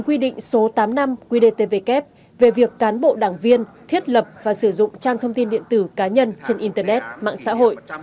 quy định số tám năm qdtvk về việc cán bộ đảng viên thiết lập và sử dụng trang thông tin điện tử cá nhân trên internet mạng xã hội